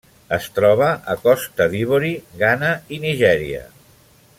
Es troba a Costa d'Ivori, Ghana i Nigèria.